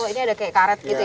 ini ada kayak karet gitu ya